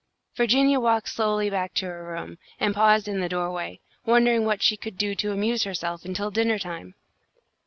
Virginia walked slowly back to her room and paused in the doorway, wondering what she could do to amuse herself until dinner time.